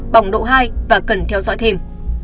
bỏng độ hai và cần theo dõi thêm